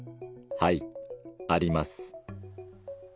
はい、あります。